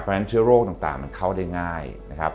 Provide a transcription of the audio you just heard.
เพราะฉะนั้นเชื้อโรคต่างมันเข้าได้ง่ายนะครับ